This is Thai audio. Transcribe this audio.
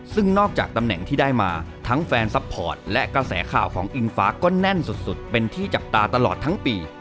ซึ่งนอกจากตำแหน่งที่ได้มาทั้งแฟนซัพพอร์ตและกระแสข่าวของอิงฟ้าก็แน่นสุดเป็นที่จับตาตลอดทั้งปี